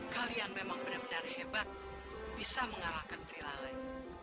kalian memang benar benar hebat bisa mengalahkan periwala lain